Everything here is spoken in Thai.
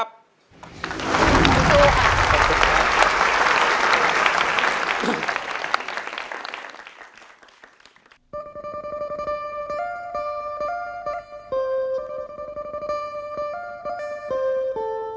บอล